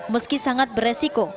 meski sangat beresiko